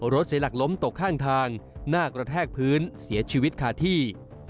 รถเสียหลักล้มตกข้างทางหน้ากระแทกพื้นเสียชีวิตคาที่